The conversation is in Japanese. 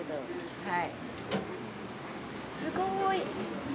はい。